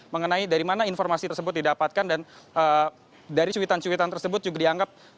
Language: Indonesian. mengenai dari mana informasi tersebut didapatkan dan dari cuitan cuitan tersebut juga dianggap